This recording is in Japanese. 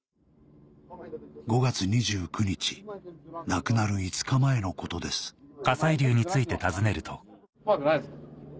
５月２９日亡くなる５日前のことですうん。